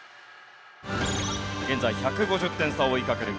現在１５０点差を追いかける